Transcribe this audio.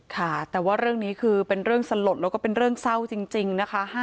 ค่ะแต่ว่าเรื่องนี้คือเป็นเรื่องสลดแล้วก็เป็นเรื่องเศร้าจริงนะคะ